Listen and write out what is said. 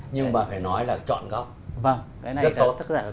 nhưng mà phải nói là chọn góc rất tốt